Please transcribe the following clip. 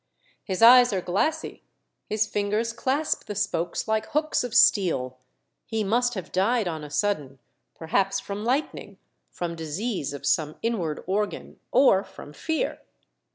"His eyes are glassy ; his fingers clasp the spokes like hooks of steel. He must have died on a sudden — perhaps from lightning — from disease of some inward organ — or from fear."